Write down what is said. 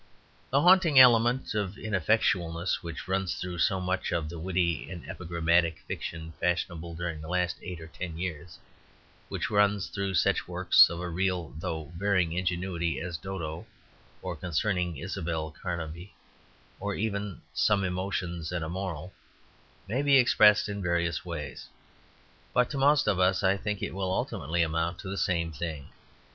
The haunting element of ineffectualness which runs through so much of the witty and epigrammatic fiction fashionable during the last eight or ten years, which runs through such works of a real though varying ingenuity as "Dodo," or "Concerning Isabel Carnaby," or even "Some Emotions and a Moral," may be expressed in various ways, but to most of us I think it will ultimately amount to the same thing.